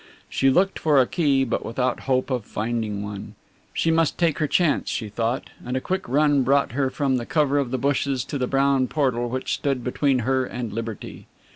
She looked for a key but without hope of finding one. She must take her chance, she thought, and a quick run brought her from the cover of the bushes to the brown portal which stood between her and liberty.